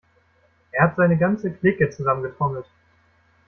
Er hat seine ganze Clique zusammengetrommelt.